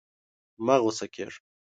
مه غوسه کېږه!